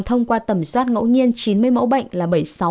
thông qua tầm soát ngẫu nhiên chín mươi mẫu bệnh là bảy mươi sáu